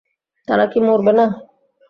তারা কী মরবে না?